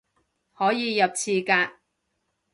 可以入廁格